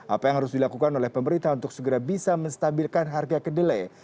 apa yang harus dilakukan oleh pemerintah untuk segera bisa menstabilkan harga kedelai